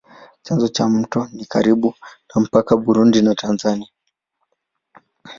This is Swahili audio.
Chanzo cha mto ni karibu na mpaka wa Burundi na Tanzania.